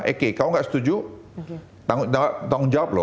oke kalau nggak setuju tanggung jawab loh